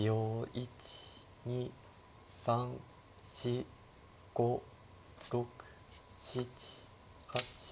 １２３４５６７８。